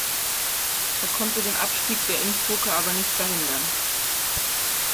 Er konnte den Abstieg der Innsbrucker aber nicht verhindern.